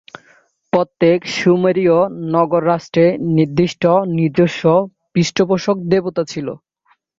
প্রত্যেক সুমেরীয় নগর-রাষ্ট্রের নির্দিষ্ট নিজস্ব পৃষ্ঠপোষক দেবতা ছিল।